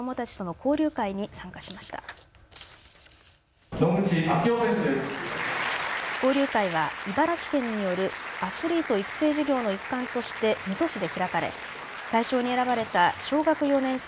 交流会は茨城県によるアスリート育成事業の一環として水戸市で開かれ対象に選ばれた小学４年生